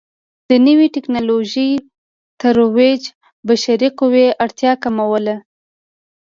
د نوې ټکنالوژۍ ترویج بشري قوې اړتیا کموله.